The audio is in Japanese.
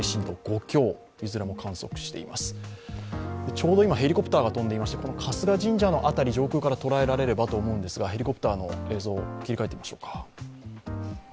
ちょうど今、ヘリコプターが飛んでいまして春日神社を上空から捉えられればと思いますがヘリコプターの映像、切り替えてみましょうか。